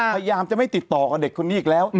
พยายามจะไม่ติดต่อกับเด็กคนนี้อีกแล้ว